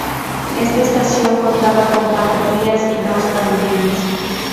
Esta estación contaba con cuatro vías y dos andenes.